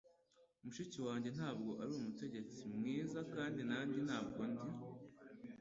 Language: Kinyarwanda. Mushiki wanjye ntabwo ari umutetsi mwiza, kandi nanjye ntabwo ndi